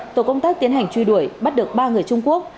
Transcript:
tổ công tác tiến hành truy đuổi bắt được ba người trung quốc